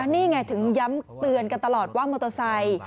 นี่ไงถึงย้ำเตือนกันตลอดว่ามอเตอร์ไซค์